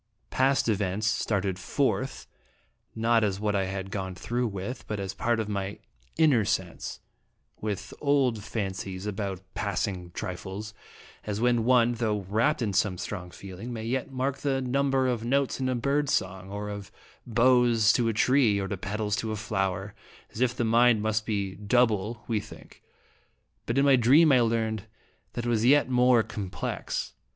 Past 102 fl)e HJratnatic in events started forth, not as what I had gone through with, but as a part of my inner sense, with old fancies about passing trifles ; as when one, though rapt in some strong feeling, may yet mark the number of notes in a bird's song, or of boughs to a tree, or of petals to a flower, as if the mind must be double, we think ; but in my dream I learned that it is yet more com plex.